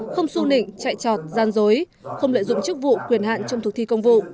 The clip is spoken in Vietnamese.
không su nịnh chạy trọt gian dối không lợi dụng chức vụ quyền hạn trong thực thi công vụ